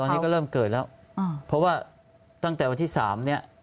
ตอนนี้ก็เริ่มเกิดแล้วเพราะว่าตั้งแต่วันที่๓เนี่ย